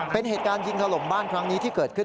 เป็นเหตุการณ์ยิงถล่มบ้านครั้งนี้ที่เกิดขึ้น